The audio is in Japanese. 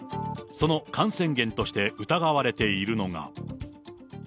その感染源として疑われているのが。